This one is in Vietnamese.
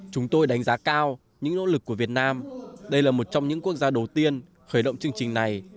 chúng tôi đánh giá cao những nỗ lực của việt nam đây là một trong những quốc gia đầu tiên khởi động chương trình này